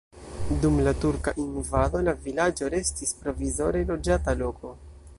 Dum la turka invado la vilaĝo restis provizore loĝata loko.